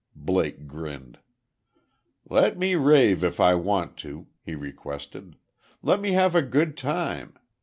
Blake grinned. "Let me rave if I want to," he requested. "Let me have a good time.